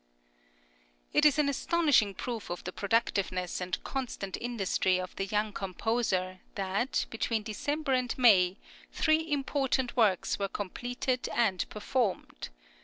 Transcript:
It is an astonishing proof of the productiveness and constant industry of the young composer that, between December and May, three important works were completed and performed.